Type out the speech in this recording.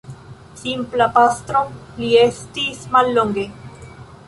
Simpla pastro li estis mallonge.